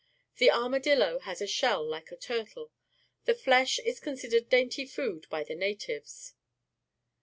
The armadillo has a shell like a turtle. The flesh is considered dainty food by the natives.